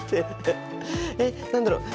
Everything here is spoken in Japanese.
えっ何だろう。